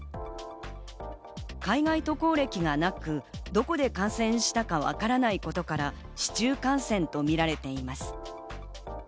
海外渡航歴がなく、どこで感染したかわからないことから、市中感染と見られています。